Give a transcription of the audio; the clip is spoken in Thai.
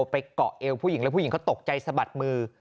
ไปเกาะเอวผู้หญิงแล้วผู้หญิงเขาตกใจสะบัดมือ